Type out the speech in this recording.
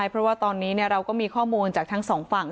เพราะว่าตอนนี้เราก็มีข้อมูลจากทั้งสองฝั่ง